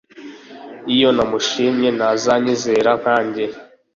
Iyo namushimye ntaza nyizera nkanjye